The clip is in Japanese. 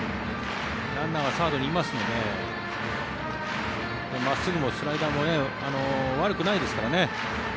ランナーがサードにいますので真っすぐもスライダーも悪くないですからね。